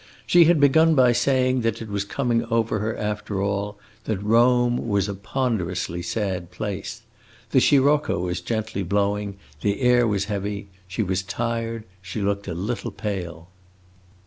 She had begun by saying that it was coming over her, after all, that Rome was a ponderously sad place. The sirocco was gently blowing, the air was heavy, she was tired, she looked a little pale.